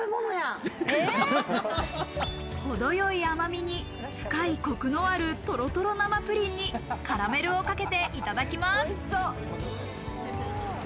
程よい甘みに、深いコクのあるトロトロ生プリンにカラメルをかけていただきます。